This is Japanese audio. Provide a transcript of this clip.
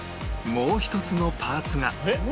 もう１つのパーツ？